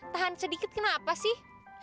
tahan sedikit kenapa sih